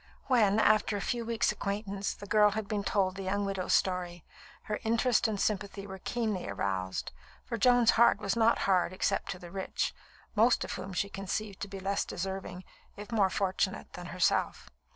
When, after a few weeks' acquaintance, the girl had been told the young widow's story, her interest and sympathy were keenly aroused, for Joan's heart was not hard except to the rich, most of whom she conceived to be less deserving, if more fortunate, than herself.